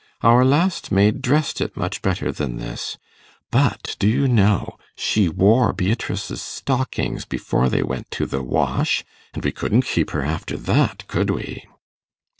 Our last maid dressed it much better than this; but, do you know, she wore Beatrice's stockings before they went to the wash, and we couldn't keep her after that, could we?